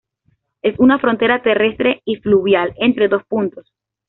Es una frontera terrestre y fluvial entre dos puntos.